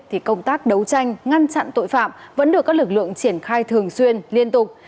thì công tác đấu tranh ngăn chặn tội phạm vẫn được các lực lượng triển khai thường xuyên liên tục